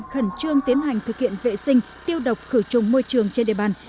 khẩn trương tiến hành thực hiện vệ sinh tiêu độc khử trùng môi trường trên địa bàn